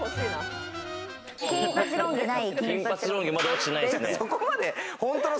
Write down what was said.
金髪ロン毛ない？